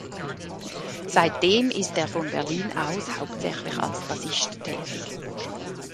Seitdem ist er von Berlin aus hauptsächlich als Bassist tätig.